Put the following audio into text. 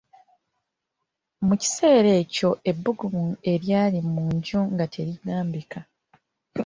Mu kiseera ekyo ebbugumu eryali mu nju nga terigambika.